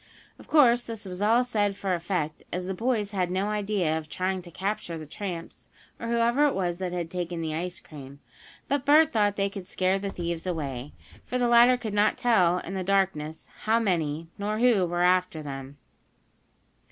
Of course this was all said for effect, as the boys had no idea of trying to capture the tramps, or whoever it was that had taken the ice cream. But Bert thought that they could scare the thieves away, for the latter could not tell, in the darkness, how many, nor who were after them.